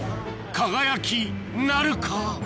「輝」なるか？